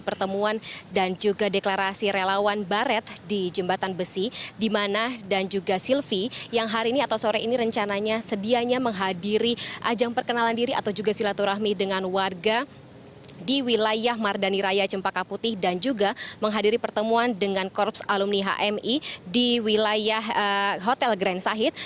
pada saat ini atau sore ini rencananya sedianya menghadiri ajang perkenalan diri atau juga silaturahmi dengan warga di wilayah mardani raya cempaka putih dan juga menghadiri pertemuan dengan korps alumni hmi di wilayah hotel grand sahid